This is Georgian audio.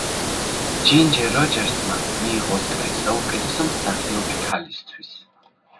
ჯინჯერ როჯერსმა მიიღო ოსკარი საუკეთესო მსახიობი ქალისთვის.